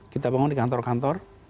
kita bangun di kantor kantor